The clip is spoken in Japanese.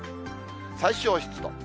最小湿度。